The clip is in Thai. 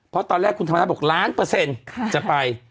เพราะตอนแรกคุณธรรมนัฐบอกล้านเปอร์เซ็นต์จะไป